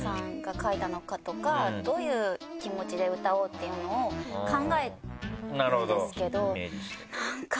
どういう気持ちで歌おうっていうのを考えてるんですけど。